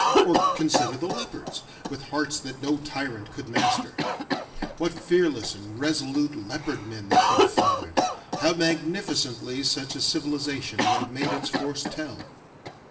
Or consider the leopards, with hearts that no tyrant could master. What fearless and resolute leopard men they could have fathered! How magnificently such a civilization would have made its force tell!